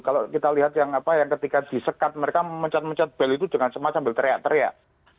kalau kita lihat yang apa yang ketika disekat mereka mencet mencet bel itu dengan semacam berteriak teriak